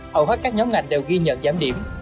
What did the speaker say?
hầu hết các nhóm ngành đều ghi nhận giám điểm